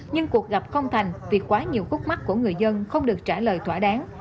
nhưng cuộc gặp không thành vì quá nhiều khúc mắt của người dân không được trả lời thỏa đáng